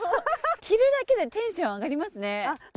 着るだけでテンション上がりますね。